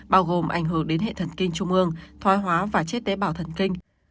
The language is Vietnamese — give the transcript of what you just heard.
bao gồm ảnh hưởng đến hệ thần kinh trung ương thoái hóa và chết tế bào thần kinh